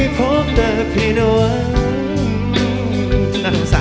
ขอเชิญอาทิตย์สำคัญด้วยค่ะ